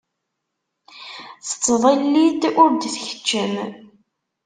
Tettḍilli-d ur d-tkeččem.